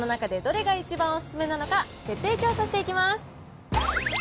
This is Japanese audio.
それではこの中でどれが一番お勧めなのか、徹底調査していきます